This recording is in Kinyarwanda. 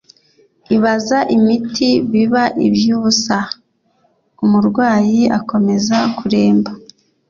ibaza imiti biba iby'ubusa, umurwayi akomeza kuremba